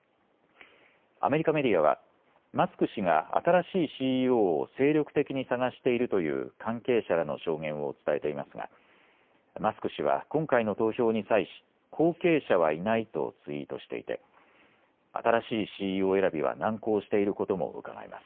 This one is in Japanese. アメリカメディアはマスク氏が新しいＣＥＯを精力的に探しているという関係者らの証言を伝えていますがマスク氏は今回の投票に際し後継者はいないとツイートしていて新しいＣＥＯ選びは難航していることもうかがえます。